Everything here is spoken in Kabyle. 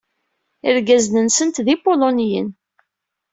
Irgazen-nsent d ipuluniyen.